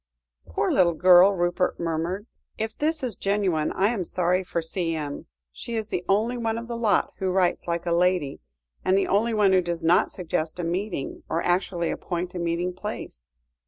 "Poor little girl," Rupert murmured, "if this is genuine, I am sorry for C.M. She is the only one of the lot who writes like a lady, and the only one who does not suggest a meeting, or actually appoint a meeting place.